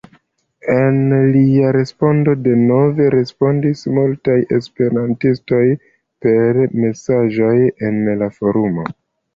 Al lia respondo denove respondis multaj Esperantistoj per mesaĝoj en la forumo.